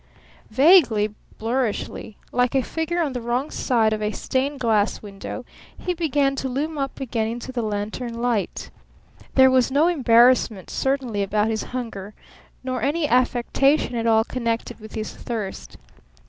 Vaguely, blurrishly, like a figure on the wrong side of a stained glass window, he began to loom up again into the lantern light. There was no embarrassment certainly about his hunger, nor any affectation at all connected with his thirst.